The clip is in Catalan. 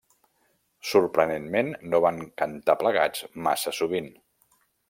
Sorprenentment, no van cantar plegats massa sovint.